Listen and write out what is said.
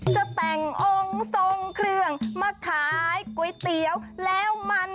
จะแต่งองค์ทรงเครื่องมาขายก๋วยเตี๋ยวแล้วมัน